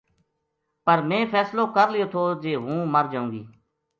پر میں فیصلو کر لیو تھو جے ہوں مر جاؤں گی